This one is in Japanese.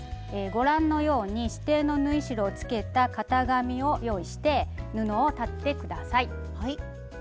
ご覧のように指定の縫い代をつけた型紙を用意して布を裁って下さい。